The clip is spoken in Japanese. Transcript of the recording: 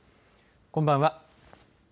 こんばんは。